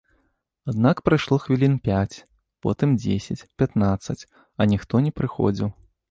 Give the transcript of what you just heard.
Аднак прайшло хвілін пяць, потым дзесяць, пятнаццаць, а ніхто не прыходзіў.